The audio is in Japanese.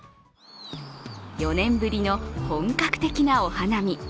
４年ぶりの本格的なお花見。